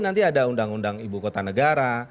nanti ada undang undang ibu kota negara